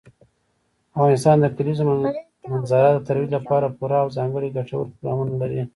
افغانستان د کلیزو منظره د ترویج لپاره پوره او ځانګړي ګټور پروګرامونه لري.